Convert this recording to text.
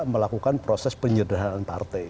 melakukan proses penyederhanan partai